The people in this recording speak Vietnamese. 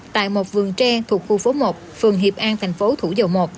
tại một vườn tre thuộc khu phố một phường hiệp an thành phố thủ dầu một